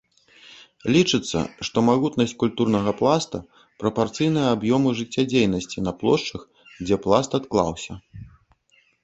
Лічыцца, што магутнасць культурнага пласта прапарцыйная аб'ёму жыццядзейнасці на плошчах, дзе пласт адклаўся.